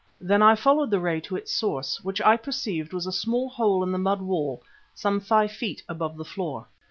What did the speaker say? Then I followed the ray to its source, which I perceived was a small hole in the mud wall some five feet above the floor.